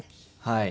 はい。